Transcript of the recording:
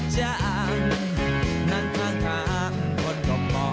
สวัสดีครับ